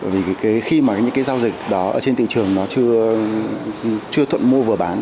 vì khi mà những cái giao dịch đó trên thị trường nó chưa thuận mua vừa bán